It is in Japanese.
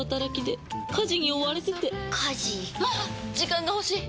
時間が欲しい！